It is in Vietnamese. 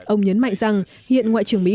ông nhấn mạnh rằng hiện ngoại trưởng mỹ